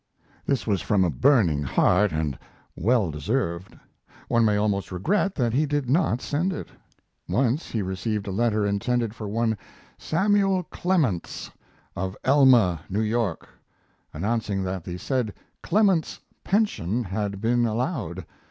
This was from a burning heart and well deserved. One may almost regret that he did not send it. Once he received a letter intended for one Samuel Clements, of Elma, New York, announcing that the said Clements's pension had been allowed.